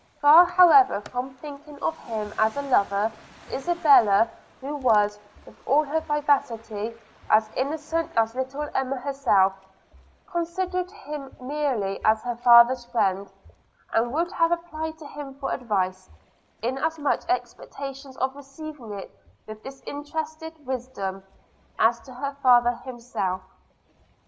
Far however from thinking of him as a lover, Isabella, who was, with all her vivacity, as innocent as little Emma herself, considered him merely as her father's friend, and would have applied to him for advice, in as much expectation of receiving it with disinterested wisdom, as to her father himself.